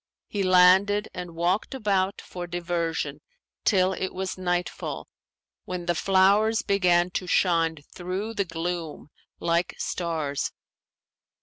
He landed and walked about for diversion till it was nightfall, when the flowers began to shine through the gloom like stars.